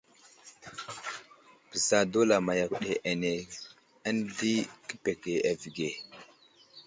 Bəza dulama yakw ɗi ane di kə pege avige.